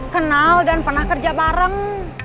kenal dan pernah kerja bareng